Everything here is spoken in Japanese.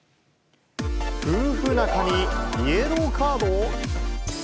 夫婦仲にイエローカード？